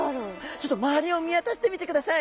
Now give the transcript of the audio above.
ちょっと周りを見渡してみてください。